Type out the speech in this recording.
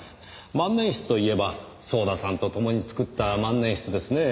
万年筆といえば早田さんとともに作った万年筆ですねぇ。